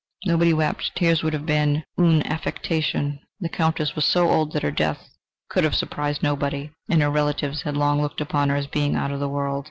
Nobody wept; tears would have been une affectation. The Countess was so old, that her death could have surprised nobody, and her relatives had long looked upon her as being out of the world.